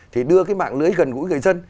thì đưa cái mạng lưới gần gũi người dân